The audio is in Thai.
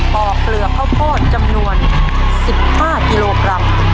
ปอกเหลือพ่อพ่อจำนวน๑๕กิโลกรัม